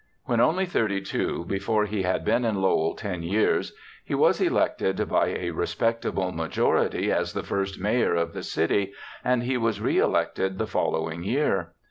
When only thirty two, before he had been in Lowell ten years, he was elected by a respectable majority as the first mayor of the city, and he was re elected the following year.